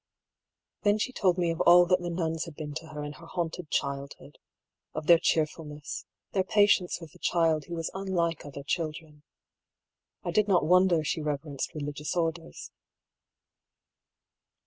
Then she told me of all that the nuns had been to her in her haunted childhood; of their cheerfulness, their patience with the child who was unlike other children. I did not wonder she reverenced religious orders.